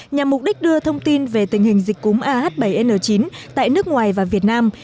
nhằm mục đích đưa thông tin về tình hình dịch cúm ah bảy n chín tại nước ngoài và việt nam